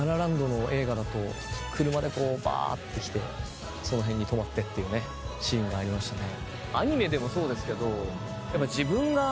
『ＬＡＬＡＬＡＮＤ』の映画だと車でバって来てその辺に止まってっていうねシーンがありましたね。